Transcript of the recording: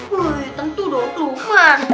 wih tentu dong lukman